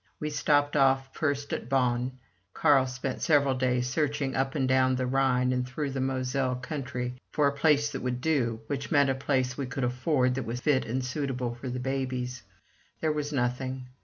We stopped off first at Bonn. Carl spent several days searching up and down the Rhine and through the Moselle country for a place that would do, which meant a place we could afford that was fit and suitable for the babies. There was nothing.